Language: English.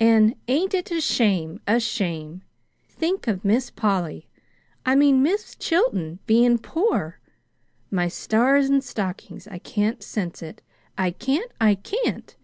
An' ain't it a shame, a shame! Think of Miss Polly I mean, Mis' Chilton bein' poor! My stars and stockings, I can't sense it I can't, I can't!"